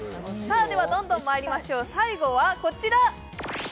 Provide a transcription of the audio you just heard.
どんどんまいりましょう、最後はこちら。